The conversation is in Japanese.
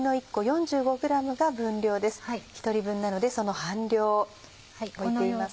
１人分なのでその半量置いています。